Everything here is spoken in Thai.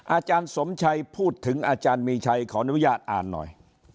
อาจารย์สมชัยพูดถึงอาจารย์มีชัยขออนุญาตอ่านหน่อย